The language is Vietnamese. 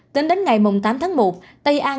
tính đến ngày tám tháng một tây an